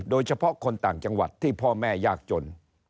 โดยเฉพาะคนต่างจังหวัดที่พ่อแม่ยากจน